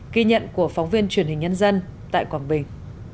ghi nhận của phóng viên truyền hình nhân dân tại quảng bình